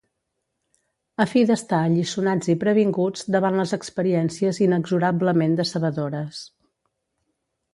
A fi d'estar alliçonats i previnguts davant les experiències inexorablement decebedores.